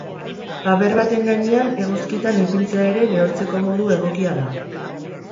Paper baten gainean eguzkitan ipintzea ere lehortzeko modu egokia da.